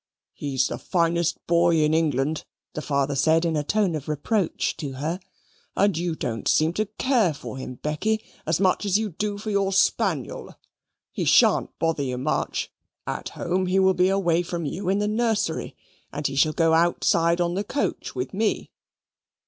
"He's the finest boy in England," the father said in a tone of reproach to her, "and you don't seem to care for him, Becky, as much as you do for your spaniel. He shan't bother you much; at home he will be away from you in the nursery, and he shall go outside on the coach with me."